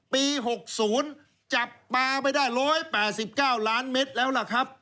ปี๖๐จับปลาไปได้๑๘๙ล้านเม็ดแล้วล่ะครับ